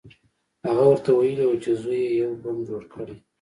هغه ورته ویلي وو چې زوی یې یو بم جوړ کړی